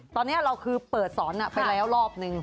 ตอนนี้เราเปิดสอนไปแรงลอบนึง